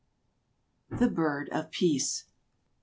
THE BIRD OF PEACE.